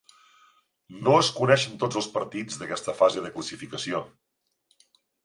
No es coneixen tots els partits d'aquesta fase de classificació.